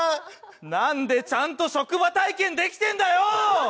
なんで、ちゃんと職場体験できてんだよ！